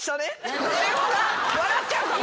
笑っちゃうかも。